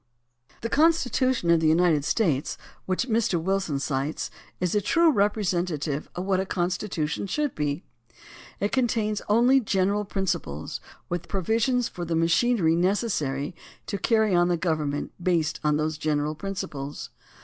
The Constitution of the United States, which Mr. Wilson cites, is a true representative of what a con stitution should be. It contains only general prin ciples, with provisions for the machinery necessary to carry on the government based on those general prin ciples.